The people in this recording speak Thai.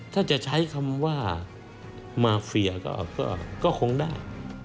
ถ้าจะใช้คำว่ามาเฟียก็คงได้